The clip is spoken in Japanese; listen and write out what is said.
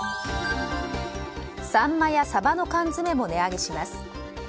サンマやサバの缶詰も値上げします。